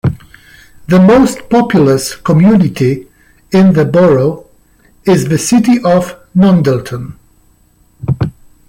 The most populous community in the borough is the city of Nondalton.